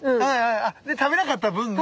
で食べなかった分が。